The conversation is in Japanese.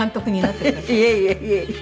いえいえいえいえ。